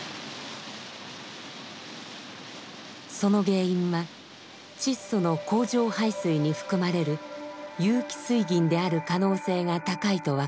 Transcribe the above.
その原因はチッソの工場排水に含まれる有機水銀である可能性が高いと分かります。